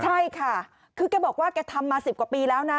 ใช่ค่ะคือแกบอกว่าแกทำมา๑๐กว่าปีแล้วนะ